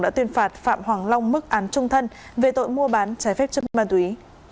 đã tuyên phạt phạm hoàng long mức án trung thân về tội mua bán trái phép chất ma túy